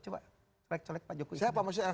siapa maksudnya anak buahnya siapa